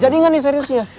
jadi gak nih seriusnya